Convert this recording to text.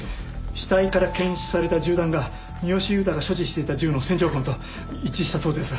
死体から検出された銃弾が三好勇太が所持していた銃の線条痕と一致したそうです。